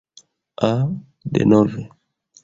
Ah, denove!